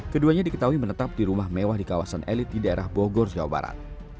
keduanya diketahui menetap di rumah mewah di kawasan elit di daerah bogor jawa barat